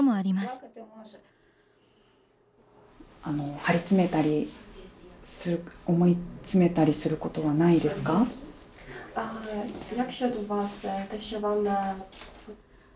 張り詰めたり思い詰めたりすることはないですか。